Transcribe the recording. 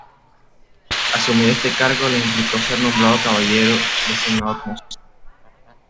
Asumir este cargo le implicó ser nombrado caballero, designado como "sir".